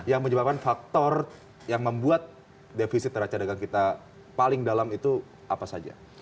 yang menyebabkan faktor yang membuat defisit raca dagang kita paling dalam itu apa saja